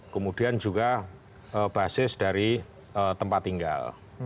kemudian juga basis dari tempat tinggal